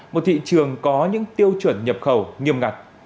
một thị trường có những tiêu chuẩn nhập khẩu nghiêm ngặt